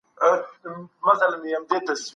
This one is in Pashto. درسونه په انلاين بڼه تکرار کړه.